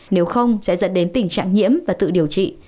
nếu không sẽ dẫn đến tình trạng nhiễm và tự điều trị